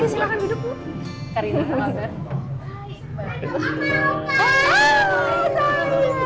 iya silahkan duduk